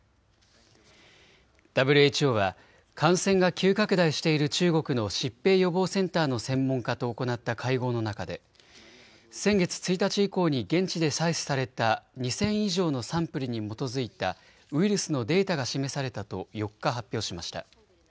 ＷＨＯは感染が急拡大している中国の疾病予防センターの専門家と行った会合の中で先月１日以降に現地で採取された２０００以上のサンプルに基づいたウイルスのデータが示されたと４日、発表しました。